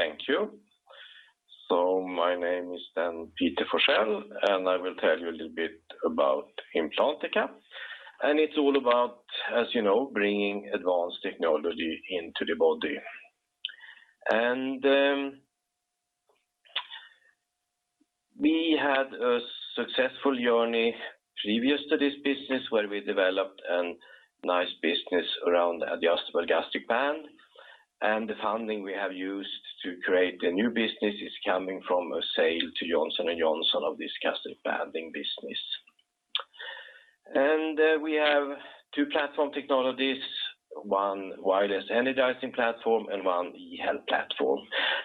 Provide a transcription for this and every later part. Thank you. My name is then Peter Forsell. I will tell you a little bit about Implantica. It's all about, as you know, bringing advanced technology into the body. We had a successful journey previous to this business where we developed a nice business around adjustable gastric band. The funding we have used to create the new business is coming from a sale to Johnson & Johnson of this gastric banding business. We have two platform technologies, one wireless energizing platform and one eHealth platform.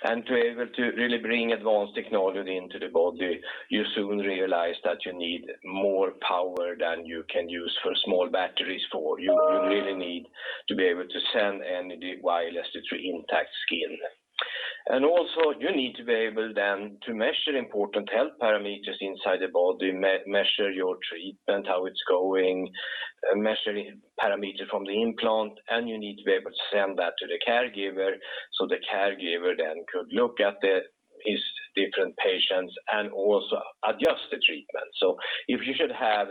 To be able to really bring advanced technology into the body, you soon realize that you need more power than you can use for small batteries for. You really need to be able to send energy wirelessly through intact skin. You need to be able then to measure important health parameters inside the body, measure your treatment, how it's going, measure parameter from the implant, and you need to be able to send that to the caregiver so the caregiver then could look at his different patients and also adjust the treatment. If you should have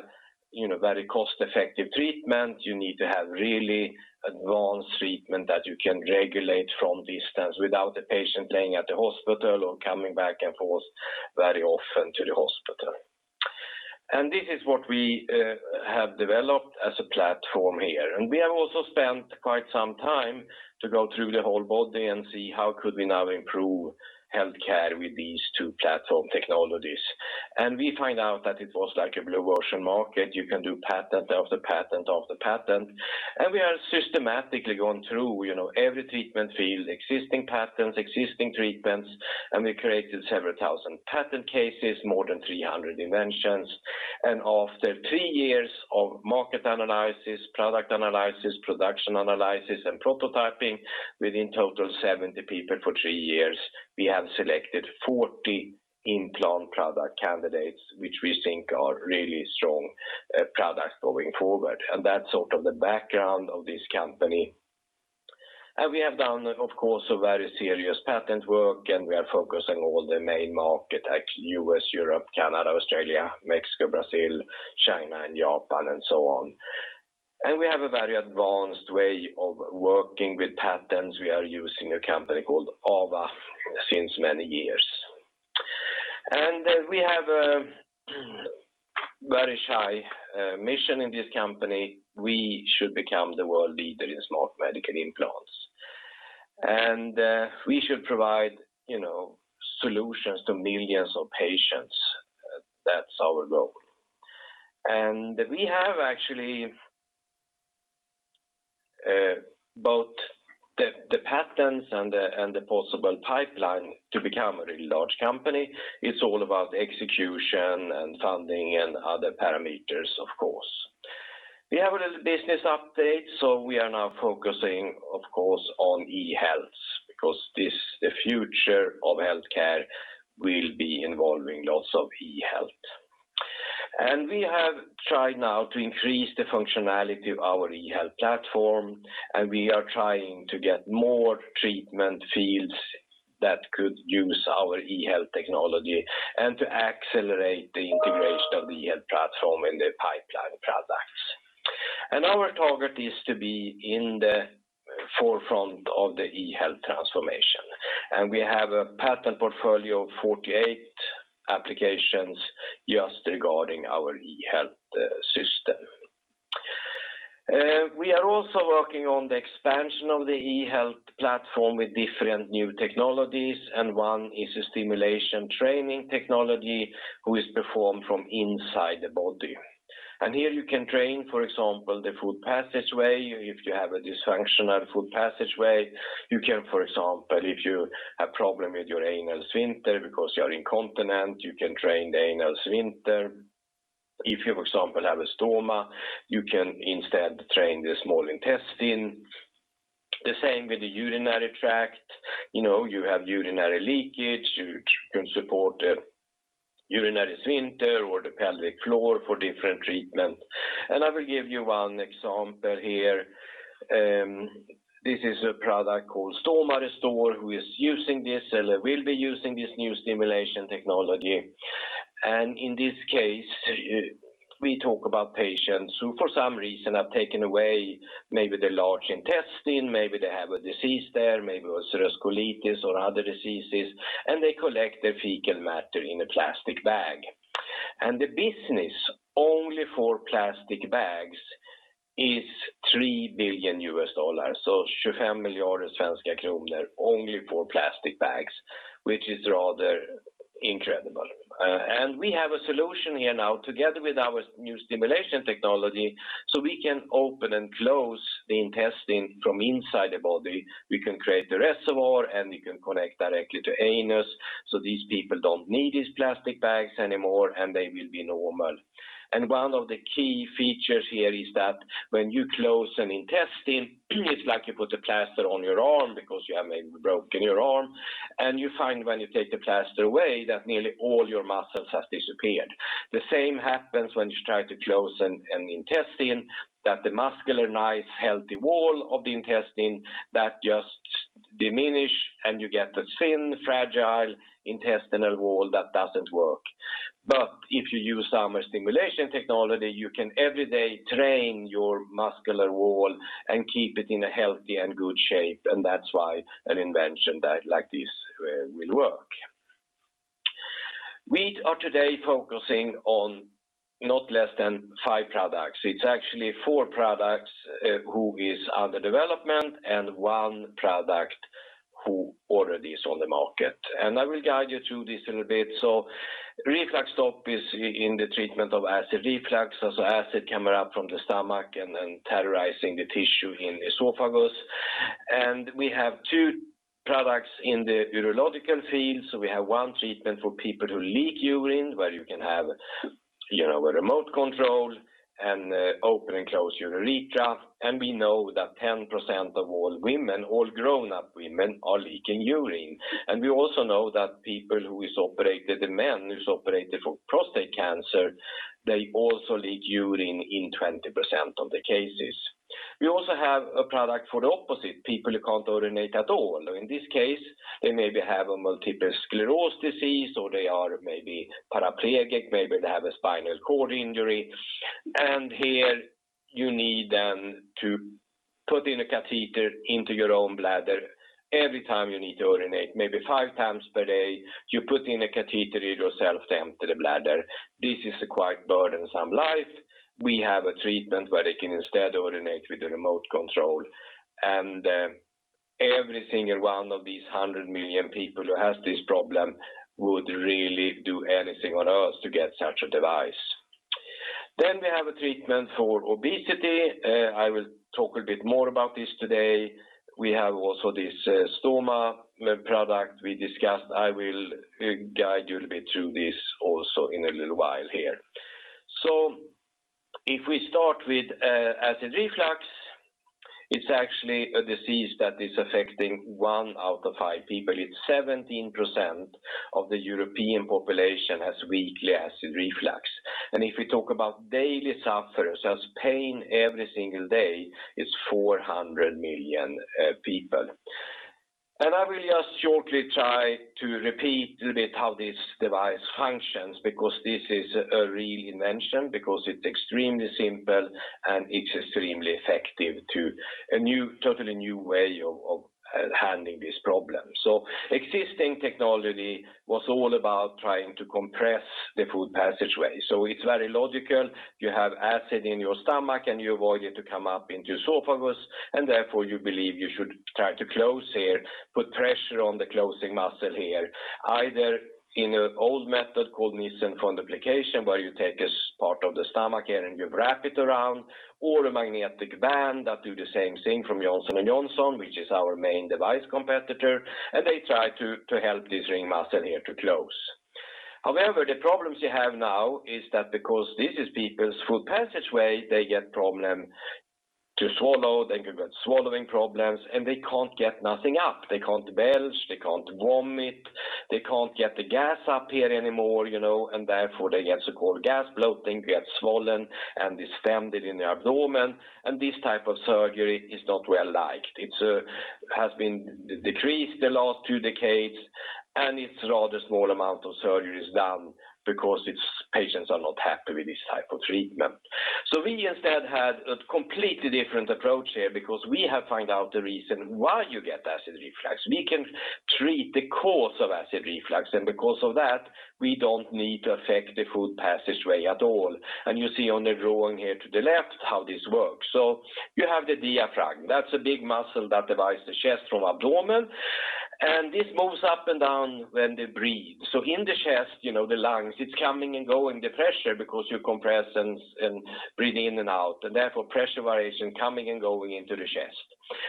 very cost-effective treatment, you need to have really advanced treatment that you can regulate from distance without the patient laying at the hospital or coming back and forth very often to the hospital. This is what we have developed as a platform here. We have also spent quite some time to go through the whole body and see how could we now improve healthcare with these two platform technologies. We find out that it was like a blue ocean market. You can do patent of the patent of the patent. We are systematically going through every treatment field, existing patents, existing treatments, and we created several thousand patent cases, more than 300 inventions. After three years of market analysis, product analysis, production analysis, and prototyping within total 70 people for three years, we have selected 40 implant product candidates, which we think are really strong products going forward. That's sort of the background of this company. We have done, of course, very serious patent work, and we are focusing all the main market like U.S., Europe, Canada, Australia, Mexico, Brazil, China, and Japan, and so on. We have a very advanced way of working with patents. We are using a company called AWA since many years. We have a very high mission in this company. We should become the world leader in smart medical implants. We should provide solutions to millions of patients. That's our goal. We have actually both the patents and the possible pipeline to become a really large company. It's all about execution and funding and other parameters, of course. We have a little business update. We are now focusing, of course, on eHealth because the future of healthcare will be involving lots of eHealth. We have tried now to increase the functionality of our eHealth platform. We are trying to get more treatment fields that could use our eHealth technology and to accelerate the integration of the eHealth platform in the pipeline products. Our target is to be in the forefront of the eHealth transformation. We have a patent portfolio of 48 applications just regarding our eHealth system. We are also working on the expansion of the eHealth platform with different new technologies, one is a stimulation training technology who is performed from inside the body. Here you can train, for example, the food passageway. If you have a dysfunctional food passageway, you can, for example, if you have problem with your anal sphincter because you are incontinent, you can train the anal sphincter. If you, for example, have a stoma, you can instead train the small intestine. The same with the urinary tract. You have urinary leakage. You can support the urinary sphincter or the pelvic floor for different treatment. I will give you one example here. This is a product called StomaRestore who is using this or will be using this new stimulation technology. In this case, we talk about patients who for some reason have taken away maybe the large intestine, maybe they have a disease there, maybe was colitis or other diseases, and they collect the fecal matter in a plastic bag. The business only for plastic bags is $3 billion. 25 billion kronor only for plastic bags, which is rather incredible. We have a solution here now together with our new stimulation technology, so we can open and close the intestine from inside the body. We can create the reservoir, and we can connect directly to anus, so these people don't need these plastic bags anymore, and they will be normal. One of the key features here is that when you close an intestine, it's like you put a plaster on your arm because you have maybe broken your arm. You find when you take the plaster away that nearly all your muscles have disappeared. The same happens when you try to close an intestine, that the muscular, nice, healthy wall of the intestine, that just diminishes, and you get a thin, fragile intestinal wall that doesn't work. If you use our stimulation technology, you can every day train your muscular wall and keep it in a healthy and good shape. That's why an invention like this will work. We are today focusing on not less than five products. It's actually four products which is under development and one product which already is on the market. I will guide you through this a little bit. RefluxStop is in the treatment of acid reflux, so acid coming up from the stomach and then terrorizing the tissue in the esophagus. We have two products in the urological field. We have one treatment for people who leak urine, where you can have a remote control and open and close your urethra. We know that 10% of all women, all grown-up women, are leaking urine. We also know that men who is operated for prostate cancer, they also leak urine in 20% of the cases. We also have a product for the opposite, people who can't urinate at all. In this case, they maybe have a multiple sclerosis disease, or they are maybe paraplegic, maybe they have a spinal cord injury. Here you need then to put in a catheter into your own bladder every time you need to urinate. Maybe five times per day, you put in a catheter yourself to empty the bladder. This is a quite burdensome life. We have a treatment where they can instead urinate with the remote control. Every single one of these 100 million people who has this problem would really do anything on Earth to get such a device. We have a treatment for obesity. I will talk a bit more about this today. We have also this StomaRestore we discussed. I will guide you a little bit through this also in a little while here. If we start with acid reflux, it's actually a disease that is affecting one out of five people. 17% of the European population has weekly acid reflux. If we talk about daily sufferers, that's pain every single day, it's 400 million people. I will just shortly try to repeat a little bit how this device functions, because this is a real invention, because it's extremely simple, and it's extremely effective too. A totally new way of handling this problem. Existing technology was all about trying to compress the food passageway. It's very logical. You have acid in your stomach, and you avoid it to come up into esophagus, and therefore, you believe you should try to close here, put pressure on the closing muscle here, either in an old method called Nissen fundoplication, where you take a part of the stomach here, and you wrap it around, or a magnetic band that do the same thing from Johnson & Johnson, which is our main device competitor. They try to help this ring muscle here to close. The problems you have now is that because this is people's food passageway, they get problem to swallow. They can get swallowing problems, and they can't get nothing up. They can't belch. They can't vomit. They can't get the gas up here anymore. Therefore, they get so-called gas bloating. They get swollen and distended in the abdomen. This type of surgery is not well-liked. It has been decreased the last two decades, and it's rather small amount of surgeries done because patients are not happy with this type of treatment. We instead had a completely different approach here because we have found out the reason why you get acid reflux. We can treat the cause of acid reflux. Because of that, we don't need to affect the food passageway at all. You see on the drawing here to the left how this works. You have the diaphragm. That's a big muscle that divides the chest from abdomen. This moves up and down when they breathe. In the chest, the lungs, it's coming and going, the pressure, because you compress and breathe in and out, and therefore, pressure variation coming and going into the chest.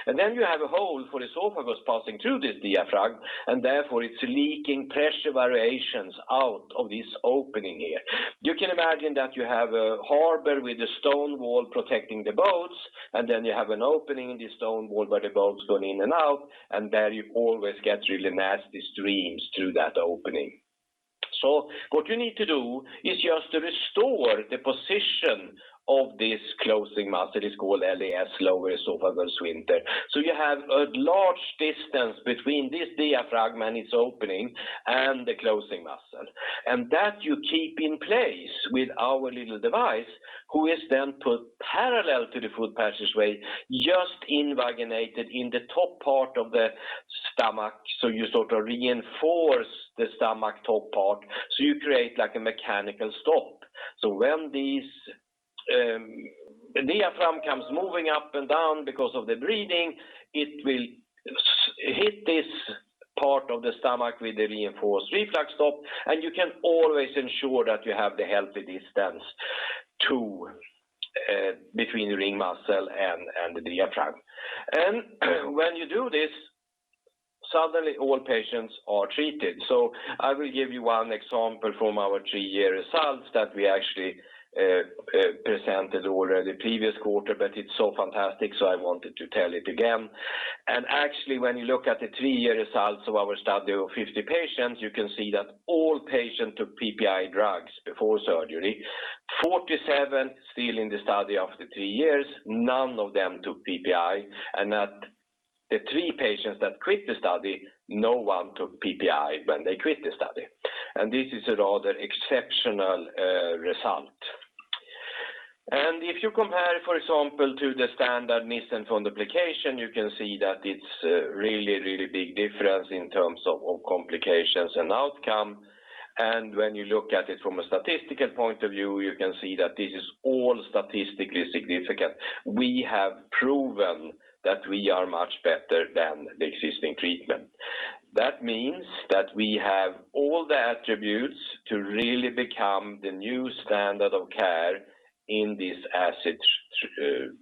Then you have a hole for esophagus passing through this diaphragm, and therefore, it's leaking pressure variations out of this opening here. You can imagine that you have a harbor with a stone wall protecting the boats, and then you have an opening in the stone wall where the boats going in and out, and there you always get really nasty streams through that opening. What you need to do is just to restore the position of this closing muscle. It's called LES, lower esophageal sphincter. You have a large distance between this diaphragm and its opening and the closing muscle. That you keep in place with our little device, which is then put parallel to the food passageway, just invaginated in the top part of the stomach. You sort of reinforce the stomach top part. You create a mechanical stop. When this diaphragm comes moving up and down because of the breathing, it will hit this part of the stomach with the reinforced RefluxStop, and you can always ensure that you have the healthy distance between the ring muscle and the diaphragm. When you do this, suddenly all patients are treated. I will give you one example from our three-year results that we actually presented already previous quarter, but it is so fantastic, so I wanted to tell it again. Actually, when you look at the three-year results of our study of 50 patients, you can see that all patients took PPI drugs before surgery. 47 still in the study after three years, none of them took PPI, and that the three patients that quit the study, no one took PPI when they quit the study. This is a rather exceptional result. If you compare, for example, to the standard Nissen fundoplication, you can see that it is a really big difference in terms of complications and outcome. When you look at it from a statistical point of view, you can see that this is all statistically significant. We have proven that we are much better than the existing treatment. That means that we have all the attributes to really become the new standard of care in this acid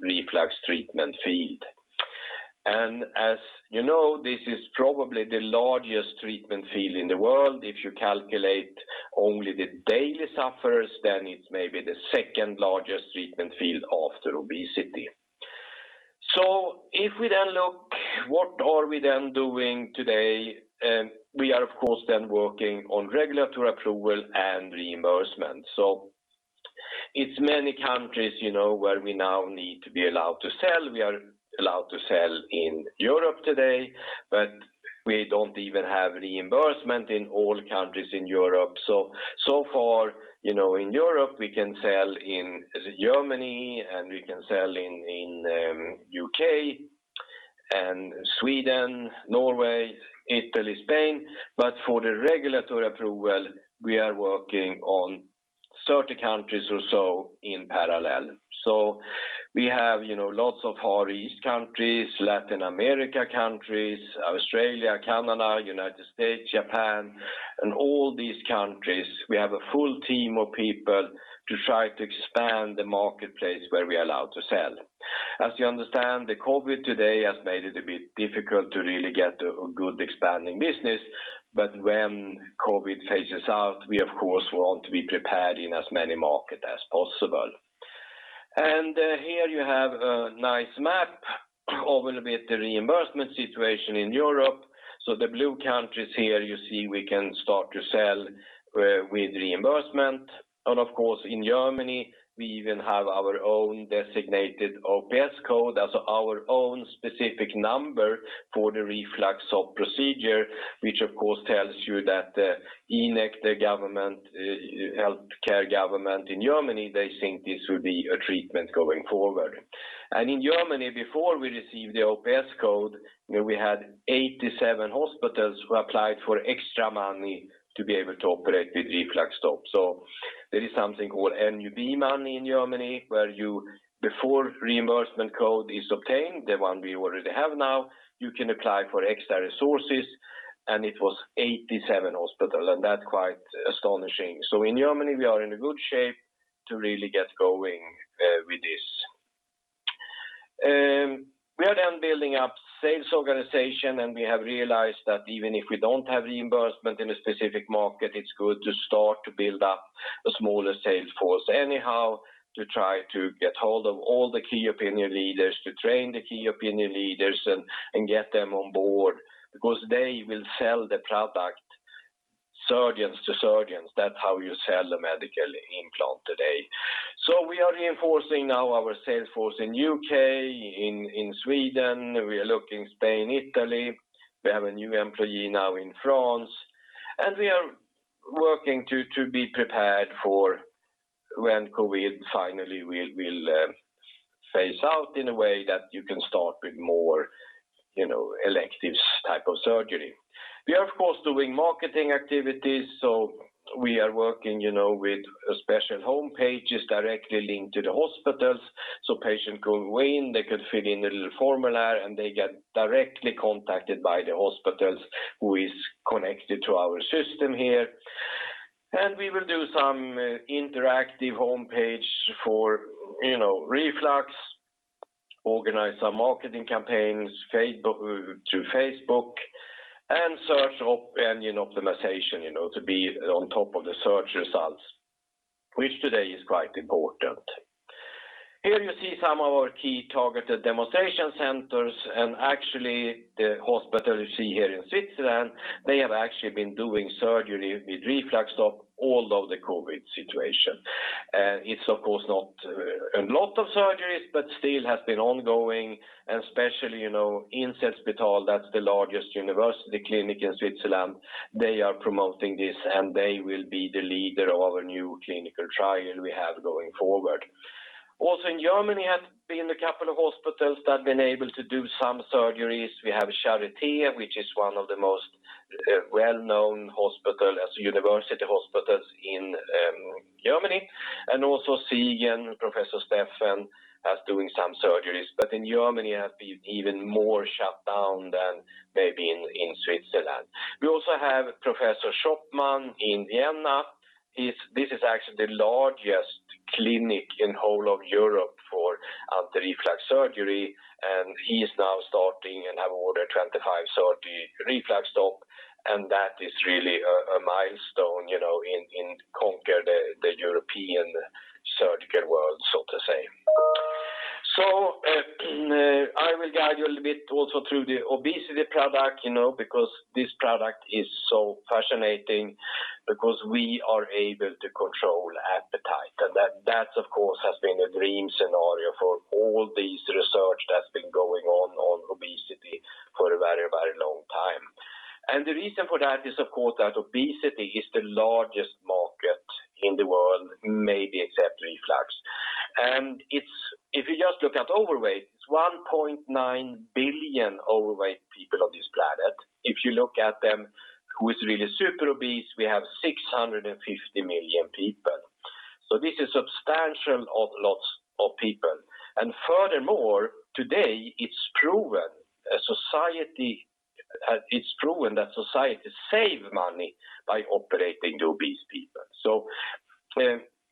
reflux treatment field. As you know, this is probably the largest treatment field in the world. If you calculate only the daily sufferers, then it's maybe the second-largest treatment field after obesity. If we then look, what are we then doing today? We are, of course, then working on regulatory approval and reimbursement. It's many countries where we now need to be allowed to sell. We are allowed to sell in Europe today, but we don't even have reimbursement in all countries in Europe. Far, in Europe, we can sell in Germany, and we can sell in U.K., and Sweden, Norway, Italy, Spain. For the regulatory approval, we are working on 30 countries or so in parallel. We have lots of Far East countries, Latin America countries, Australia, Canada, United States, Japan. In all these countries, we have a full team of people to try to expand the marketplace where we are allowed to sell. As you understand, COVID today has made it a bit difficult to really get a good expanding business. When COVID phases out, we, of course, want to be prepared in as many markets as possible. Here you have a nice map of a little bit the reimbursement situation in Europe. The blue countries here you see we can start to sell with reimbursement. Of course, in Germany, we even have our own designated OPS code, also our own specific number for the RefluxStop procedure, which, of course, tells you that the InEK, the healthcare government in Germany, they think this will be a treatment going forward. In Germany, before we received the OPS code, we had 87 hospitals who applied for extra money to be able to operate with RefluxStop. There is something called NUB money in Germany, where before reimbursement code is obtained, the one we already have now, you can apply for extra resources. It was 87 hospitals, and that's quite astonishing. In Germany, we are in a good shape to really get going with this. We are then building up sales organization, and we have realized that even if we don't have reimbursement in a specific market, it's good to start to build up a smaller sales force anyhow to try to get hold of all the key opinion leaders, to train the key opinion leaders and get them on board because they will sell the product, surgeons to surgeons. That's how you sell a medical implant today. We are reinforcing now our sales force in the U.K., in Sweden. We are looking Spain, Italy. We have a new employee now in France, and we are working to be prepared for when COVID finally will phase out in a way that you can start with more electives type of surgery. We are, of course, doing marketing activities, so we are working with special homepages directly linked to the hospitals so patient could weigh in. They could fill in a little formula, and they get directly contacted by the hospitals who is connected to our system here. We will do some interactive homepage for reflux, organize some marketing campaigns through Facebook, and search engine optimization to be on top of the search results, which today is quite important. Here you see some of our key targeted demonstration centers. Actually, the hospital you see here in Switzerland, they have actually been doing surgery with RefluxStop all of the COVID situation. It's, of course, not a lot of surgeries, but still has been ongoing, and especially, Inselspital, that's the largest university clinic in Switzerland. They are promoting this, and they will be the leader of our new clinical trial we have going forward. Also in Germany has been a couple of hospitals that have been able to do some surgeries. We have Charité, which is one of the most well-known hospital as a university hospitals in Germany, and also Siegen, Professor Stephan, has doing some surgeries. In Germany, has been even more shut down than maybe in Switzerland. We also have Professor Schoppmann in Vienna. This is actually the largest clinic in whole of Europe for anti-reflux surgery, and he is now starting and have ordered 25, 30 RefluxStop, and that is really a milestone in conquer the European surgical world, so to say. I will guide you a little bit also through the obesity product, because this product is so fascinating because we are able to control appetite. That, of course, has been a dream scenario for all this research that's been going on obesity for a very long time. The reason for that is, of course, that obesity is the largest market in the world, maybe except reflux. If you just look at overweight, it is 1.9 billion overweight people on this planet. If you look at them, who is really super obese, we have 650 million people. This is substantial of lots of people. Furthermore, today, it is proven that societies save money by operating obese people.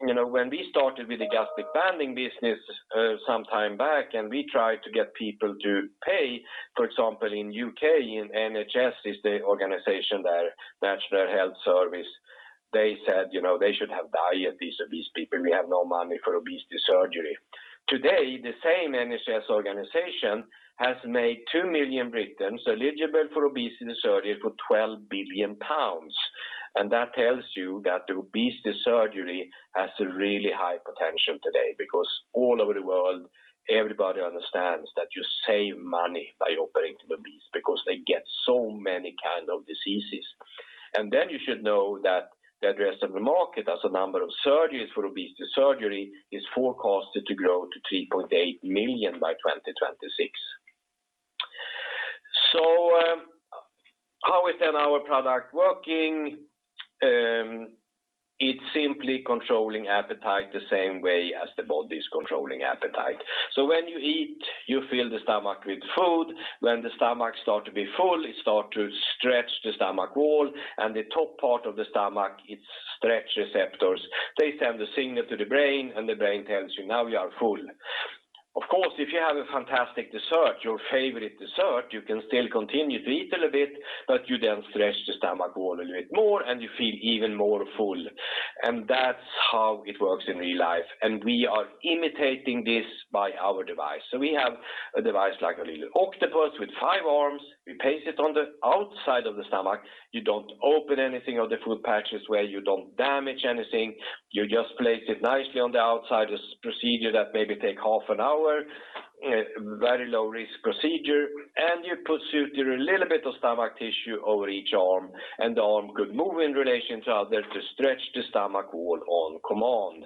When we started with the gastric banding business some time back and we tried to get people to pay, for example, in U.K., NHS is the organization there, National Health Service, they said, "They should have diet, these obese people. We have no money for obesity surgery." Today, the same NHS organization has made 2 million Britons eligible for obesity surgery for 12 billion pounds. That tells you that the obesity surgery has a really high potential today because all over the world, everybody understands that you save money by operating obese because they get so many kind of diseases. Then you should know that the rest of the market as a number of surgeries for obesity surgery is forecasted to grow to 3.8 million by 2026. How is then our product working? It's simply controlling appetite the same way as the body's controlling appetite. When you eat, you fill the stomach with food. When the stomach start to be full, it start to stretch the stomach wall, and the top part of the stomach, its stretch receptors. They send a signal to the brain, and the brain tells you, "Now you are full." Of course, if you have a fantastic dessert, your favorite dessert, you can still continue to eat a little bit, but you then stretch the stomach wall a little bit more, and you feel even more full. That's how it works in real life. We are imitating this by our device. We have a device like a little octopus with five arms. We place it on the outside of the stomach. You don't open anything or the food passages where you don't damage anything. You just place it nicely on the outside, this procedure that maybe take half an hour, a very low-risk procedure. You put through a little bit of stomach tissue over each arm, and the arm could move in relation to others to stretch the stomach wall on command.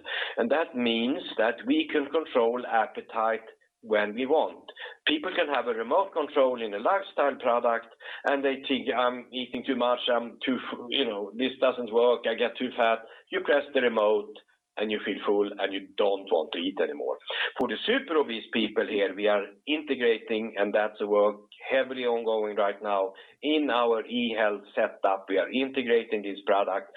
That means that we can control appetite when we want. People can have a remote control in a lifestyle product, and they think, "I'm eating too much. This doesn't work. I get too fat." You press the remote, and you feel full, and you don't want to eat anymore. For the super obese people here, we are integrating, and that work heavily ongoing right now in our eHealth setup. We are integrating this product.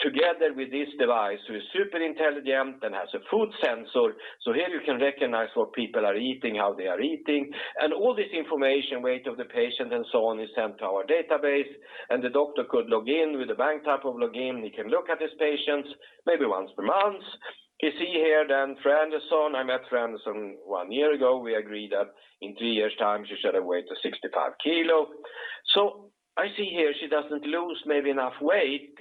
Together with this device, who is super intelligent and has a food sensor. Here you can recognize what people are eating, how they are eating. All this information, weight of the patient and so on, is sent to our database. The doctor could log in with a bank type of login. He can look at his patients maybe once per month. We see here [Dan Foranderson]. I met [Foranderson] one year ago. We agreed that in three years' time, she should have weighed to 65 kg. I see here she doesn't lose maybe enough weight.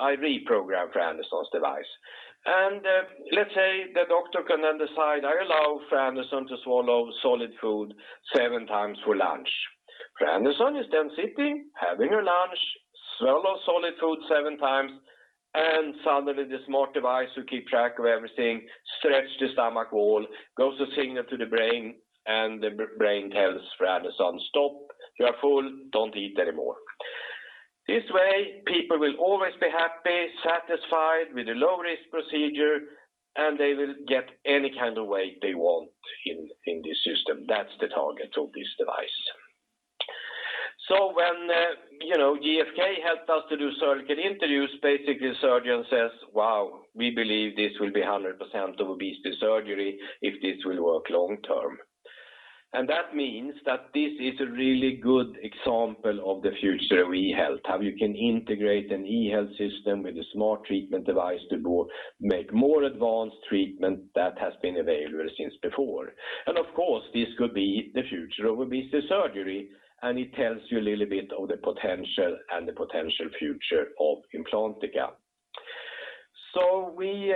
I reprogram [Foranderson's] device. Let's say the doctor can then decide, I allow [Foranderson] to swallow solid food seven times for lunch. [Foranderson] is then sitting, having her lunch, swallow solid food seven times. Suddenly the smart device will keep track of everything, stretch the stomach wall, goes a signal to the brain. The brain tells [Foranderson], "Stop. You are full. Don't eat anymore." This way, people will always be happy, satisfied with the low-risk procedure, and they will get any kind of weight they want in this system. That's the target of this device. When GfK helped us to do surgical interviews, basically surgeon says, "Wow, we believe this will be 100% of obesity surgery if this will work long term." That means that this is a really good example of the future of eHealth, how you can integrate an eHealth system with a smart treatment device to make more advanced treatment that has been available since before. Of course, this could be the future of obesity surgery, and it tells you a little bit of the potential and the potential future of Implantica. We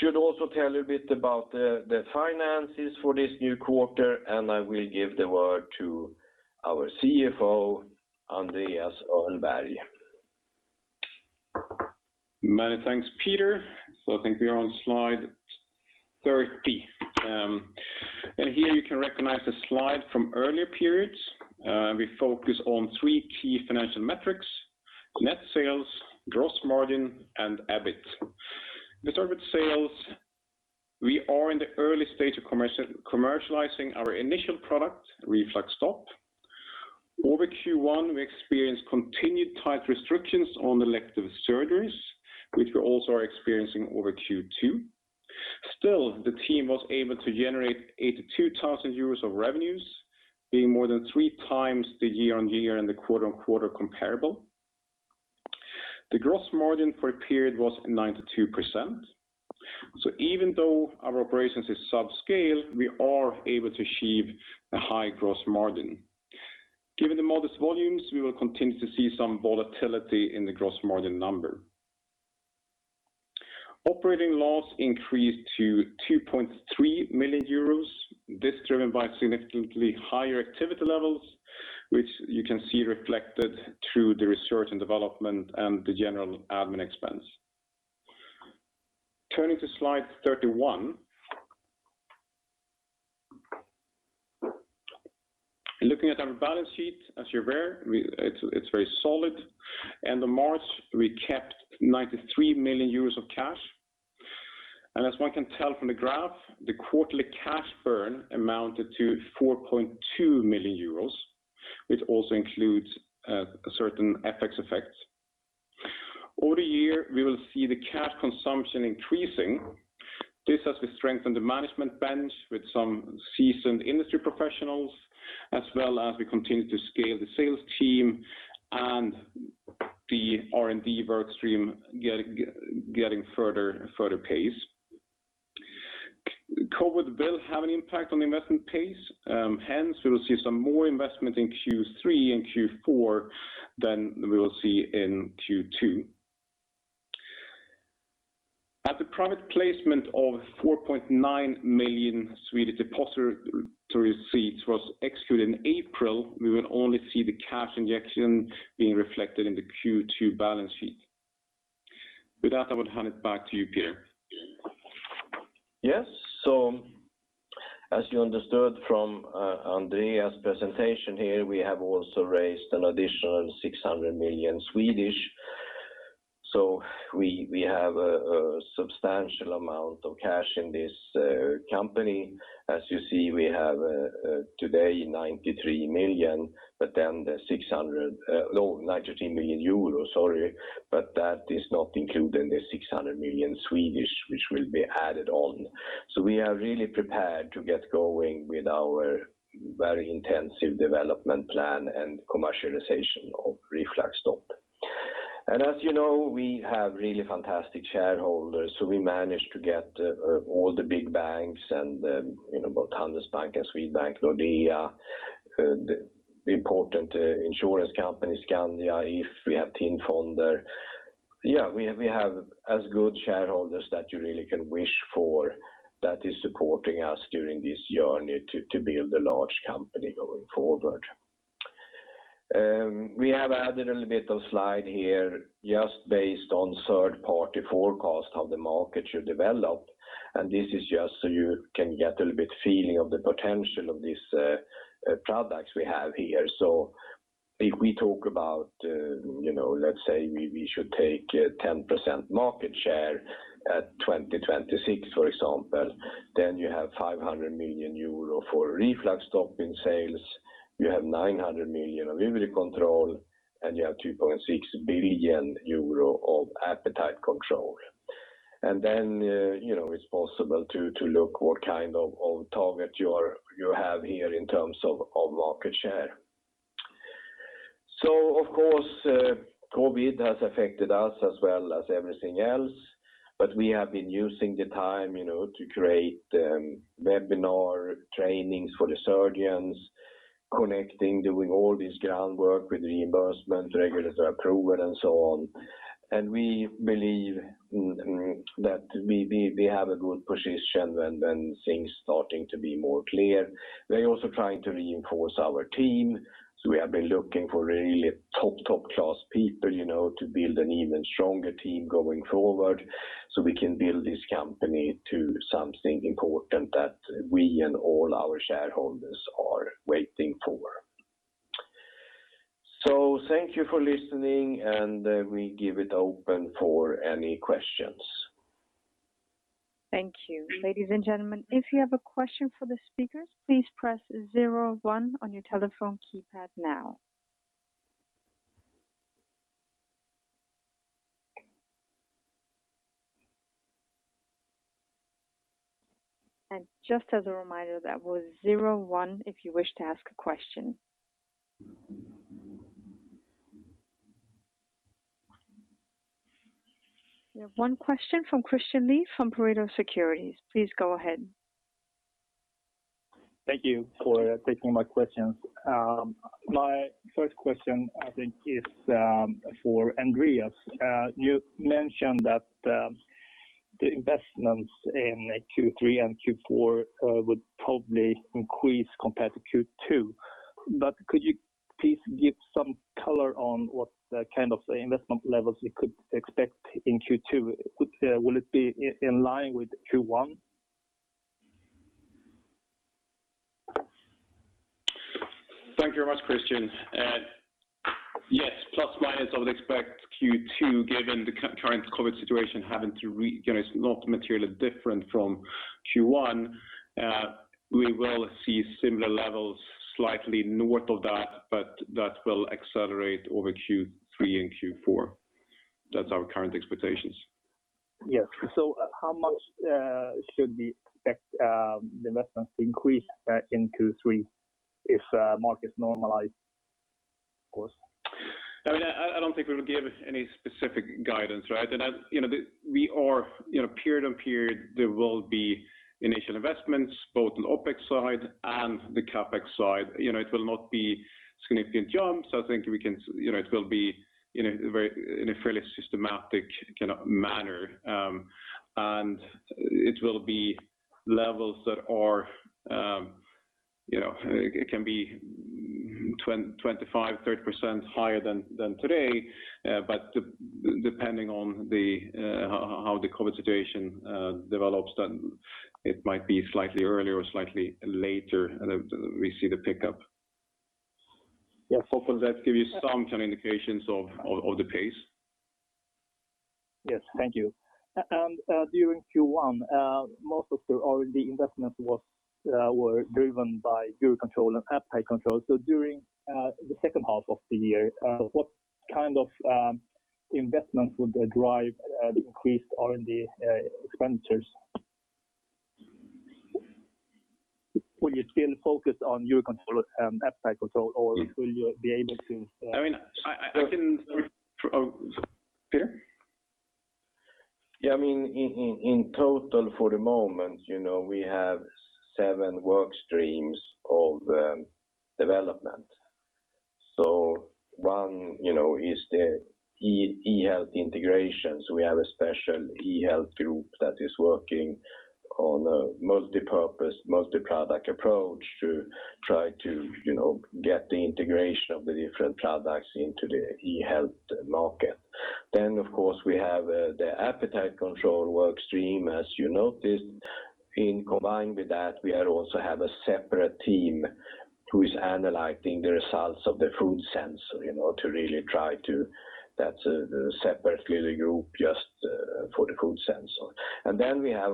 should also tell a bit about the finances for this new quarter, and I will give the word to our CFO, Andreas Öhrnberg. Many thanks, Peter. I think we are on slide 30. Here you can recognize the slide from earlier periods. We focus on three key financial metrics, net sales, gross margin, and EBIT. We start with sales. We are in the early stage of commercializing our initial product, RefluxStop. Over Q1, we experienced continued tight restrictions on elective surgeries, which we also are experiencing over Q2. Still, the team was able to generate 82,000 euros of revenues, being more than three times the year-on-year and the quarter-on-quarter comparable. The gross margin for a period was 92%. Even though our operations is subscale, we are able to achieve a high gross margin. Given the modest volumes, we will continue to see some volatility in the gross margin number. Operating loss increased to 2.3 million euros. This driven by significantly higher activity levels, which you can see reflected through the research and development and the general admin expense. Turning to slide 31. Looking at our balance sheet, as you're aware, it's very solid. End of March, we kept 93 million euros of cash. As one can tell from the graph, the quarterly cash burn amounted to 4.2 million euros, which also includes a certain FX effect. Over the year, we will see the cash consumption increasing. This as we strengthen the management bench with some seasoned industry professionals, as well as we continue to scale the sales team and the R&D work stream getting further pace. COVID will have an impact on the investment pace. Hence, we will see some more investment in Q3 and Q4 than we will see in Q2. As the private placement of 4.9 million receipts was executed in April, we will only see the cash injection being reflected in the Q2 balance sheet. With that, I would hand it back to you, Peter. Yes. As you understood from Andreas Öhrnberg's presentation here, we have also raised an additional 600 million. We have a substantial amount of cash in this company. As you see, we have today 93 million, sorry. That is not including the 600 million, which will be added on. We are really prepared to get going with our very intensive development plan and commercialization of RefluxStop. As you know, we have really fantastic shareholders. We managed to get all the big banks and both Handelsbanken, Swedbank, Nordea, the important insurance companies, Skandia, If. We have TIN Fonder. Yeah, we have as good shareholders that you really can wish for that is supporting us during this journey to build a large company going forward. We have added a little bit of slide here just based on third-party forecast how the market should develop. This is just so you can get a little bit feeling of the potential of these products we have here. If we talk about, let's say we should take 10% market share at 2026, for example, then you have 500 million euro for RefluxStop in sales, you have 900 million of UriControl, and you have 2.6 billion euro of AppetiteControl. Then it's possible to look what kind of target you have here in terms of market share. Of course, COVID has affected us as well as everything else, but we have been using the time to create webinar trainings for the surgeons, connecting, doing all this groundwork with reimbursement, regulatory approval, and so on. We believe that we have a good position when things starting to be more clear. We are also trying to reinforce our team. We have been looking for really top class people to build an even stronger team going forward so we can build this company to something important that we and all our shareholders are waiting for. Thank you for listening, and we give it open for any questions. Thank you. Ladies and gentlemen, if you have a question for the speakers, please press zero one on your telephone keypad now. Just as a reminder, that was zero one if you wish to ask a question. We have one question from Christian Lee from Pareto Securities. Please go ahead. Thank you for taking my questions. My first question, I think is for Andreas. You mentioned that the investments in Q3 and Q4 would probably increase compared to Q2. Could you please give some color on what kind of investment levels we could expect in Q2? Will it be in line with Q1? Thank you very much, Christian. Yes. Plus minus, I would expect Q2, given the current COVID situation, it's not materially different from Q1. We will see similar levels slightly north of that, but that will accelerate over Q3 and Q4. That's our current expectations. Yes. How much should the investments increase in Q3 if markets normalize, of course? I don't think we will give any specific guidance, right? Period on period, there will be initial investments, both on OPEX side and the CapEx side. It will not be significant jumps. I think it will be in a fairly systematic manner. It will be levels that can be 25%, 30% higher than today. Depending on how the COVID situation develops, then it might be slightly earlier or slightly later that we see the pickup. Hopefully that give you some kind of indications of the pace. Yes. Thank you. During Q1, most of the R&D investments were driven by UriControl and AppetiteControl. During the second half of the year, what kind of investments would drive the increased R&D expenditures? Will you still focus on UriControl and AppetiteControl, or will you be able to? Peter? Yeah, in total for the moment, we have seven work streams of development. One is the eHealth integration. We have a special eHealth group that is working on a multipurpose, multi-product approach to try to get the integration of the different products into the eHealth market. Of course, we have the AppetiteControl work stream, as you noticed. In combined with that, we also have a separate team who is analyzing the results of the food sensor. That's a separate group just for the food sensor. Of course, we have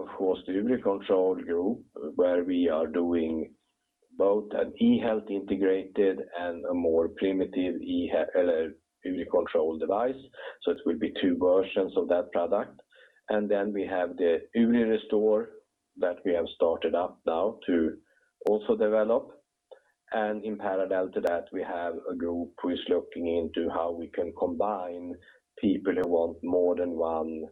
the UriControl group, where we are doing both an eHealth integrated and a more primitive UriControl device. It will be two versions of that product. We have the UriRestore that we have started up now to also develop. In parallel to that, we have a group who is looking into how we can combine people who want more than one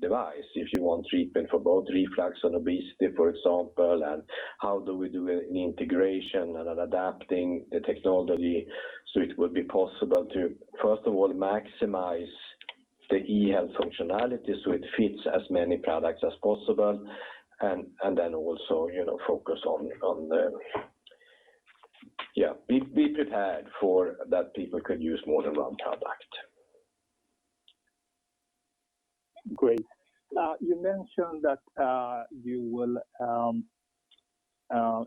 device. If you want treatment for both reflux and obesity, for example, and how do we do an integration and adapting the technology, so it will be possible to, first of all, maximize the eHealth functionality so it fits as many products as possible. Then also focus on. Yeah. Be prepared for that people could use more than one product. Great. You mentioned that you will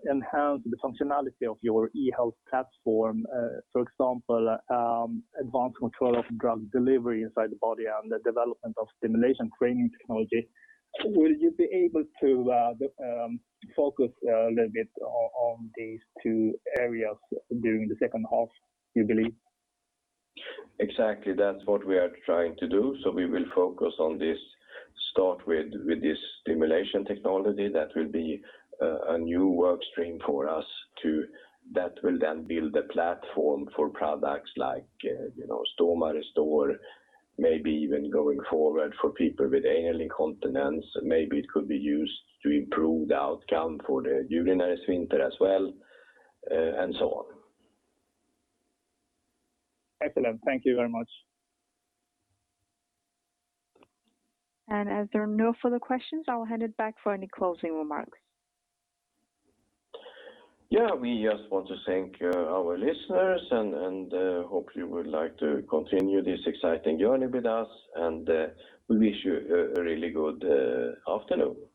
enhance the functionality of your eHealth platform, for example advanced control of drug delivery inside the body and the development of stimulation training technology. Will you be able to focus a little bit on these two areas during the second half, you believe? Exactly. That's what we are trying to do. We will focus on this. Start with this stimulation technology. That will be a new work stream for us too, that will then build a platform for products like StomaRestore, maybe even going forward for people with anal incontinence. Maybe it could be used to improve the outcome for the urinary sphincter as well, and so on. Excellent. Thank you very much. As there are no further questions, I will hand it back for any closing remarks. Yeah. We just want to thank our listeners and hope you would like to continue this exciting journey with us, and we wish you a really good afternoon.